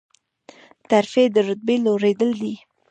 ترفیع د رتبې لوړیدل دي